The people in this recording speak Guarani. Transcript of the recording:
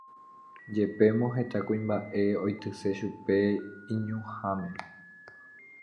Jepémo heta kuimba'e oityse chupe iñuhãme